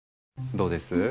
どうです？